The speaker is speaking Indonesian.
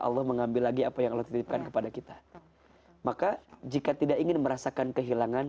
allah mengambil lagi apa yang allah titipkan kepada kita maka jika tidak ingin merasakan kehilangan